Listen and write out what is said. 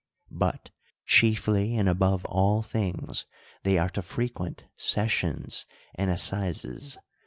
But, chiefly and above all things, they are to frequent sessions and assizes.